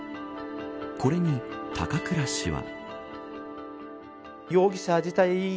これに、高倉氏は。